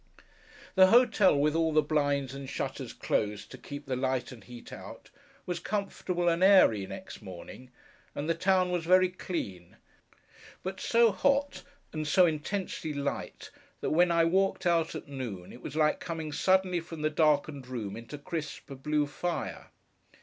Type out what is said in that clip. The hotel, with all the blinds and shutters closed to keep the light and heat out, was comfortable and airy next morning, and the town was very clean; but so hot, and so intensely light, that when I walked out at noon it was like coming suddenly from the darkened room into crisp blue fire.